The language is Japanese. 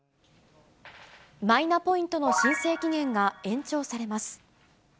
マイナポイントの申請期限が延長されます。